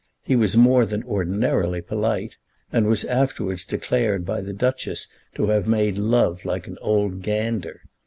He was more than ordinarily polite, and was afterwards declared by the Duchess to have made love like an old gander.